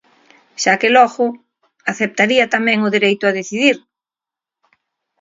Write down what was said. Xa que logo, aceptaría tamén o dereito a decidir.